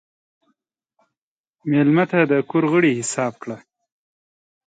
مېلمه ته د کور غړی حساب کړه.